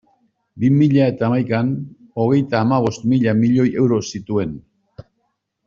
Bi mila eta hamaikan, hogeita hamabost mila milioi euro zituen.